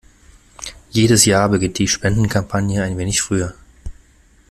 Jedes Jahr beginnt die Spendenkampagne ein wenig früher.